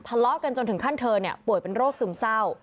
ทะเลาะกันจนถึงขั้นเธอป่วยเป็นโรคซึมเศร้า